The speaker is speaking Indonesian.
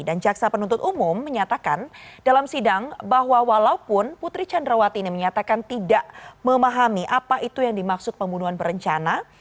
dan jaksa penuntut umum menyatakan dalam sidang bahwa walaupun putri candrawati ini menyatakan tidak memahami apa itu yang dimaksud pembunuhan berencana